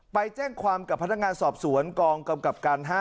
ไปแจ้งความกับพนักงานสอบสวนกองกำกับการ๕